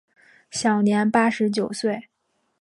享年八十九岁。